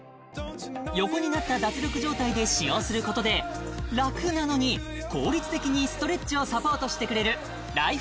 横になった脱力状態で使用することでラクなのに効率的にストレッチをサポートしてくれるライフ